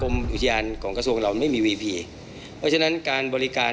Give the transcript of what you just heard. มีการที่จะพยายามติดศิลป์บ่นเจ้าพระงานนะครับ